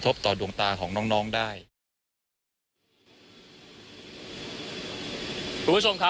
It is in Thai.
คุณทัศนาควดทองเลยค่ะ